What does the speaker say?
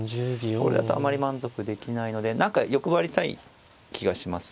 これだとあまり満足できないので何か欲張りたい気がします。